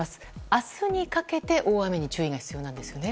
明日にかけて大雨に注意が必要なんですよね。